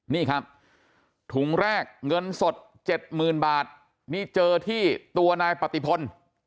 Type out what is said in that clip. นี่ครับถุงแรกเงินสด๗๐๐๐บาทนี่เจอที่ตัวนายปฏิพล